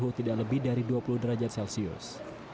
tidak lebih dari dua puluh derajat celcius